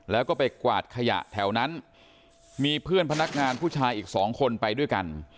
แล้วก็ไปกวาดขยะแถวนั้นมีเพื่อนพนักงานผู้ชายอีกสองคนไปด้วยกัน